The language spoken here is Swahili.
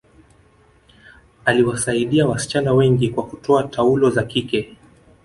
aliwasaidia wasichana wengi kwa kutoa taulo za kike